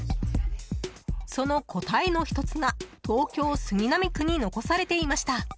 その答えの１つが東京・杉並区に残されていました。